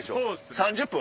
３０分？